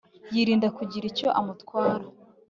yirinda kugira icyo amutwara